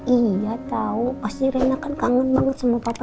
iya tahu pasti rena kan kangen banget sama papa